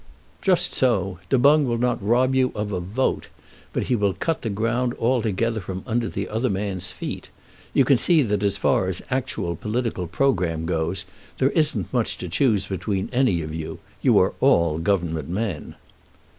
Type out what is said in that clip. "Just so. Du Boung will not rob you of a vote, but he will cut the ground altogether from under the other man's feet. You see that as far as actual political programme goes there isn't much to choose between any of you. You are all Government men."